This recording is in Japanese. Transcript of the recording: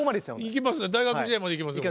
いきますね大学時代までいきますね。